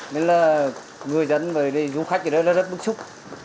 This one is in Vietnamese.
nên là người dân về đây du khách thì rất là rất bức xúc